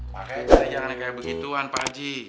makanya cari jangan kayak begituan pakji